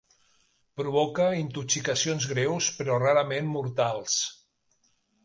Provoca intoxicacions greus, però rarament mortals.